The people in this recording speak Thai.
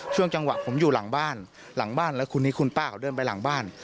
ช่วงจังหวะผมอยู่หลังบ้านหลังบ้านแล้วคนนี้คุณป้าเขาเดินไปหลังบ้าน